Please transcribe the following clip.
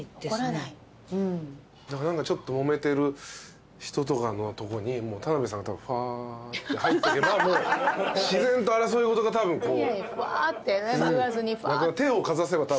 何かちょっともめてる人とかのとこに田辺さんがふわって入ってけば自然と争い事がたぶんこう。